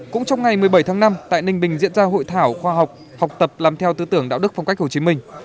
cũng trong ngày một mươi bảy tháng năm tại ninh bình diễn ra hội thảo khoa học học tập làm theo tư tưởng đạo đức phong cách hồ chí minh